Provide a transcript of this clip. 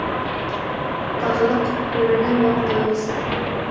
تغلق کورنۍ واک ته ورسیده.